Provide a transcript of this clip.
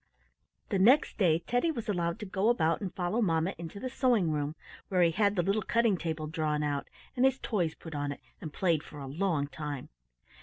The next day Teddy was allowed to go about and follow mamma into the sewing room, where he had the little cutting table drawn out and his toys put on it, and played for a long time.